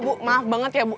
bu maaf banget ya bu